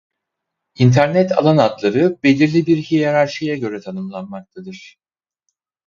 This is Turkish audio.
Internet alan adları belirli bir hiyerarşiye göre tanımlanmaktadır.